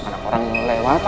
anak anak orang mau lewat